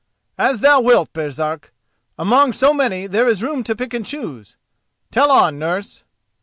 "As thou wilt, Baresark. Among so many there is room to pick and choose. Tell on, nurse!"